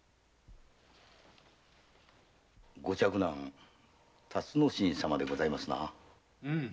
ご嫡男の竜之進様でございますな。